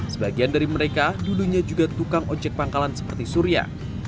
sebagian dari mereka dulunya juga tukang ojek pangkalan seperti surya